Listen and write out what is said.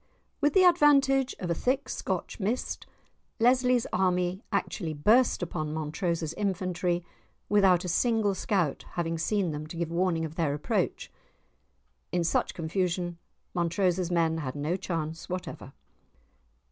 With the advantage of a thick Scotch mist, Lesly's men actually burst upon Montrose's infantry without a single scout having seen them to give warning of their approach! In such confusion, Montrose's men had no chance whatever.